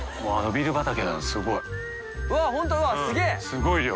すごい量。